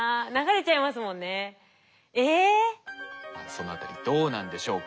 そのあたりどうなんでしょうか？